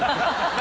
何？